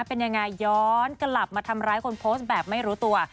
เป็นยังไงย้อนกลับมาทำร้ายคนโพสต์แบบไม่รู้ตัว